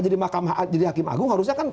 jadi mahkamah jadi hakim agung harusnya kan